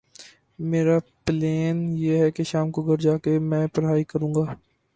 میرا پلین ہے کہ شام کو گھر جا کے میں پڑھائی کرو گا۔